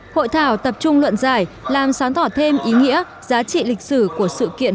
hội thảo tập trung luận giải làm sáng tỏ thêm ý nghĩa giá trị lịch sử của sự kiện